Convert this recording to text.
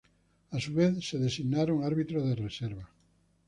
A su vez, se designaron árbitros de reserva.